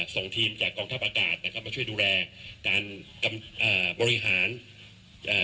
ส่งทีมจากกองทัพอากาศนะครับมาช่วยดูแลการกำอ่าบริหารเอ่อ